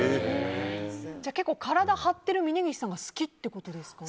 じゃあ結構体張ってる峯岸さんが好きってことですか？